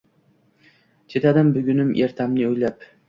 Chidadim bugunim, ertamni o‘ylab.